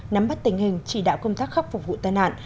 nắm bắt tình hình chỉ đạo công tác khắc phục vụ tai nạn